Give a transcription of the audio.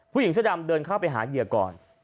ผู้หญิงเสื้อดำเดินเข้าไปหาเหยื่อก่อน